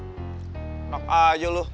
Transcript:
tenang aja lo